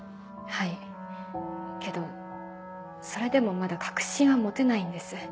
はいけどそれでもまだ確信は持てないんです。